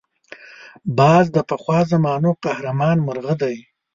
باز د پخوا زمانو قهرمان مرغه دی